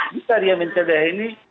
bisa dia mencedah ini